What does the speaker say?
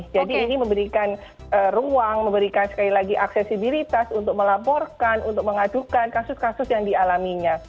jadi ini memberikan ruang memberikan sekali lagi aksesibilitas untuk melaporkan untuk mengadukan kasus kasus yang dialaminya